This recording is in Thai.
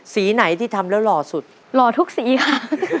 สีไหนที่ทำแล้วหล่อสุดหล่อทุกสีค่ะ